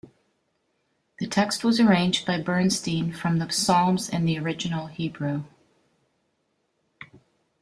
The text was arranged by Bernstein from the psalms in the original Hebrew.